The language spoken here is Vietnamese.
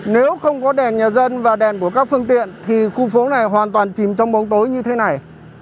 nếu không có đèn nhà dân và đèn của các phương tiện thì khu phố này hoàn toàn chìm trong bóng tối như thế này